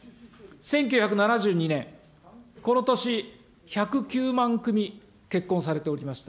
１９７２年、この年１０９万組結婚されておりました。